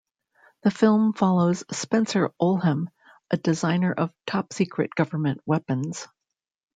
The film follows Spencer Olham, a designer of top-secret government weapons.